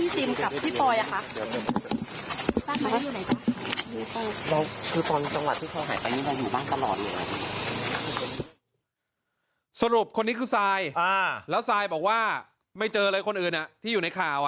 สรุปคนนี้คือซายแล้วซายบอกว่าไม่เจอเลยคนอื่นที่อยู่ในข่าว